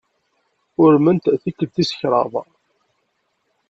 Urmen tikkelt tis kraḍt.